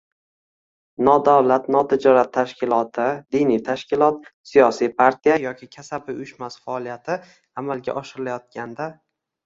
nodavlat notijorat tashkiloti, diniy tashkilot, siyosiy partiya yoki kasaba uyushmasi faoliyati amalga oshirilayotganda